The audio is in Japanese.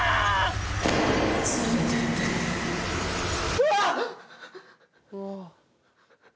うわっ！